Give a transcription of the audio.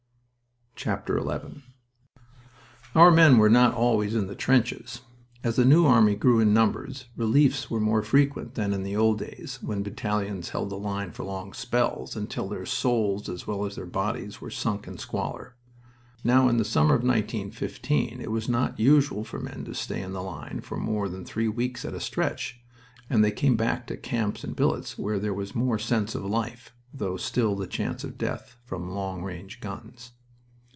XI Our men were not always in the trenches. As the New Army grew in numbers reliefs were more frequent than in the old days, when battalions held the line for long spells, until their souls as well as their bodies were sunk in squalor. Now in the summer of 1915 it was not usual for men to stay in the line for more than three weeks at a stretch, and they came back to camps and billets, where there was more sense of life, though still the chance of death from long range guns.